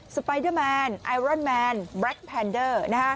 ไปเดอร์แมนไอรอนแมนแบล็คแพนเดอร์